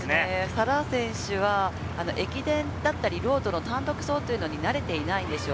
サラ選手は駅伝だったり、ロードの単独に慣れていないんです。